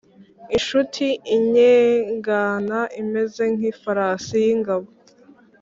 Incuti innyegana imeze nk’ifarasi y’ingabo